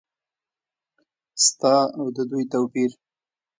ستا او د دوی توپیر ؟